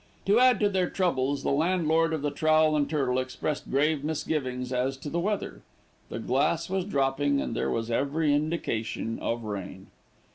To add to their troubles the landlord of The Trowel and Turtle expressed grave misgivings as to the weather. The glass was dropping, and there was every indication of rain.